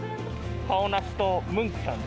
カオナシとムンクさん。